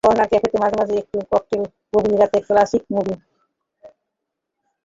Corner ক্যাফেতে মাঝে মাঝে একটু ককটেল, গভীর রাতের ক্লাসিক মুভি।